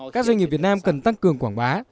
các doanh nghiệp việt nam cần tăng cường quảng bá